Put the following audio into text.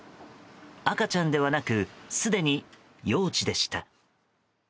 赤ちゃんではなくすでに幼児でした。